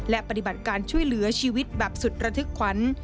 และปฏิบัติการช่วยเหลือชีวิตแบบสุดระทึกขวัญ